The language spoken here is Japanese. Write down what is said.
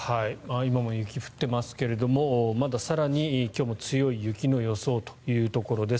今も雪が降っていますがまだ更に今日も強い雪の予想というところです。